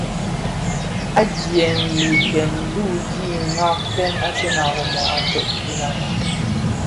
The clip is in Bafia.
Adyèm i dhikèn dü di nshaaktèn; Asèn a Rimoh a ted kilami.